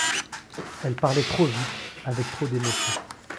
Elle parlait trop vite, avec trop d’émotions.